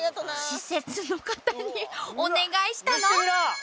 施設の方にお願いしたの？